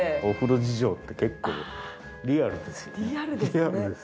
お風呂事情って結構リアルですよね。